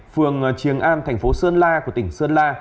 phường trường an tp sơn la của tỉnh sơn la